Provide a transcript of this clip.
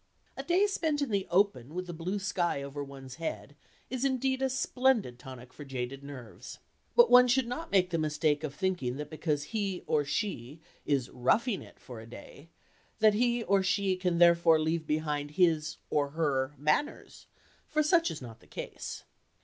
A day spent in the "open," with the blue sky over one's head, is indeed a splendid tonic for jaded nerves. But one should not make the mistake of thinking that because he (or she) is "roughing it" for a day, he (or she) can therefore leave behind his (or her) "manners," for such is not the case.